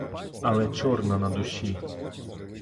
Але чорно на душі.